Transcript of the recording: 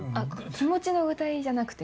気持ちの具体じゃなくて。